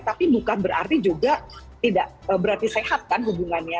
tapi bukan berarti juga tidak berarti sehat kan hubungannya